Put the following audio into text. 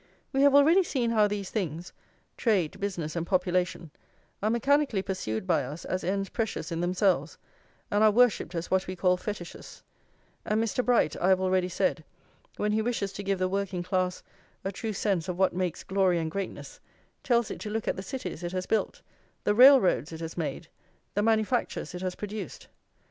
We have already seen how these things, trade, business, and population, are mechanically pursued by us as ends precious in themselves, and are worshipped as what we call fetishes; and Mr. Bright, I have already said, when he wishes to give the working class a true sense of what makes glory and greatness, tells it to look at the cities it has built, the railroads it has made, the manufactures it has produced.